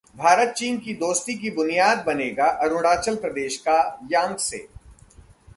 भारत-चीन की दोस्ती की बुनियाद बनेगा अरुणाचल प्रदेश का यांग्से!